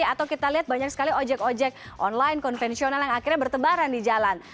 atau kita lihat banyak sekali ojek ojek online konvensional yang akhirnya bertebaran di jalan